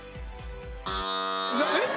えっ？